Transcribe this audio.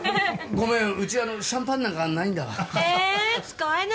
ごめんうちシャンパンなんかないんだわ。